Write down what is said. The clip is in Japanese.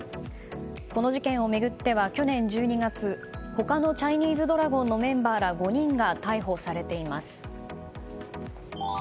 この事件を巡っては去年１２月他のチャイニーズドラゴンのメンバーら５人が逮捕されています。